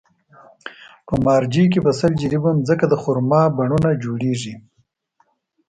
په مارجې کې په سل جریبه ځمکه د خرما پڼونه جوړېږي.